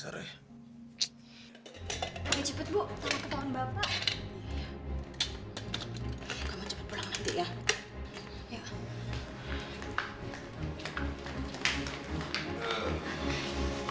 kamu cepet pulang nanti ya